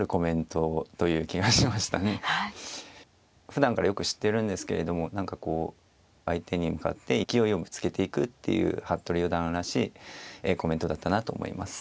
ふだんからよく知ってるんですけれども何かこう相手に向かって勢いをぶつけていくっていう服部四段らしいコメントだったなと思います。